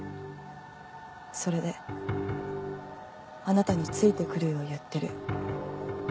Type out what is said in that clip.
それであなたについて来るよう言ってる。